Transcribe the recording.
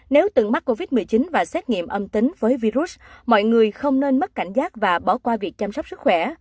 nếu từng mắc covid một mươi chín và xét nghiệm âm tính với virus mọi người không nên mất cảnh giác và bỏ qua việc chăm sóc sức khỏe